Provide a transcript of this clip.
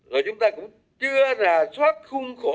rồi chúng ta cũng chưa là soát khung khổ